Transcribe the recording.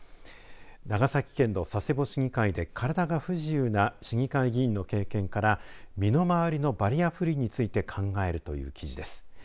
長崎県の佐世保市議会で体が不自由な市議会議員の経験から身の回りのバリアフリーについて考えるという記事です。